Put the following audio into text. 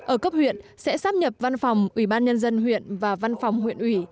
ở cấp huyện sẽ sắp nhập văn phòng ủy ban nhân dân huyện và văn phòng huyện ủy